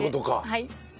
はい。